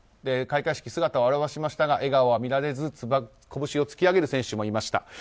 開会式に姿を現しましたが笑顔は見られず拳を突き上げる選手もいました。